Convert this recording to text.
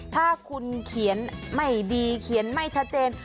ถ้าคุณเขียนไม่ดีเขียนไม่ชัดเจน